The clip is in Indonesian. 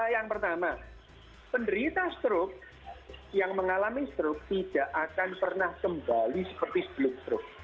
yang pertama penderita struk yang mengalami struk tidak akan pernah kembali seperti sebelum struk